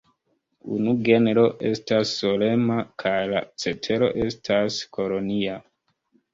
Unu genro estas solema kaj la cetero estas kolonia.